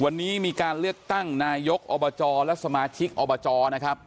วันนี้มีการเลือกตั้งนายกอบจและสมาชิกอบจนะครับ